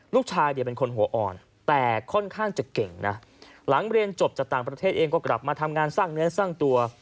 ลูกชายเนี่ยเป็นคนหัวอ่อนแต่ค่อนข้างจะเก่งนะหลังเรียนจบจากต่างประเทศเองก็กลับมาทำงานสร้างเนื้อสร้างตัว